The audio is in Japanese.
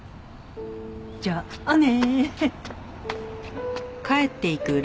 じゃあね！